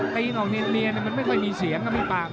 พวกตีนออกเงินเนี่ยมันไม่ค่อยมีเสียงก็ไม่มีปาก